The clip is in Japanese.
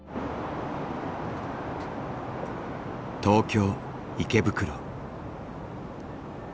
東京・池袋。